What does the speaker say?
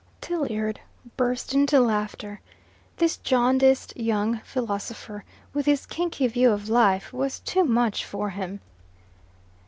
'" Tilliard burst into laughter. This jaundiced young philosopher, with his kinky view of life, was too much for him.